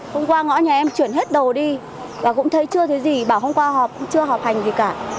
hôm qua ngõ nhà em chuyển hết đồ đi và cũng thấy chưa thấy gì bảo hôm qua họp cũng chưa học hành gì cả